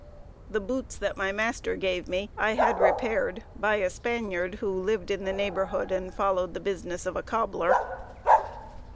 The boots that my master gave me, I had repaired by a Spaniard who lived in the neighborhood, and followed the business of a cobbler.